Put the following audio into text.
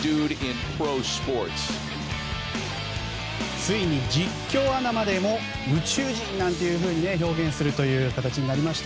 ついに実況アナまでも宇宙人なんて表現するという形になりました。